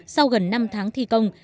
sau gần năm tháng thi công